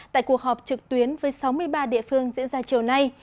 tại cuộc họp trực tuyến với sáu mươi ba địa phương diễn ra chiều nay